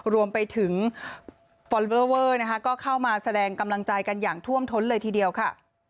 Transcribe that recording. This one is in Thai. รวมไปถึงฟอลเวอร์เวอร์นะคะก็เข้ามาแสดงกำลังใจกันอย่างท่วมท้นเลยทีเดียวค่ะ